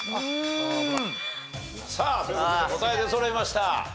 さあという事で答え出そろいました。